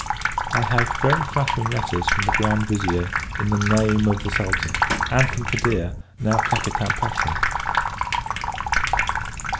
I have very flattering letters from the Grand Vizier, in the name of the Sultan; and from Cadir, now Capitan Pacha.